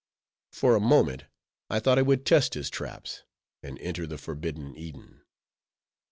For a moment I thought I would test his traps, and enter the forbidden Eden.